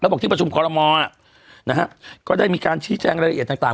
บอกที่ประชุมคอลโมนะฮะก็ได้มีการชี้แจงรายละเอียดต่าง